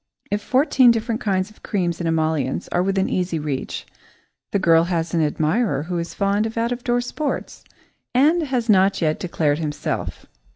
If fourteen different kinds of creams and emollients are within easy reach, the girl has an admirer who is fond of out door sports and has not yet declared himself.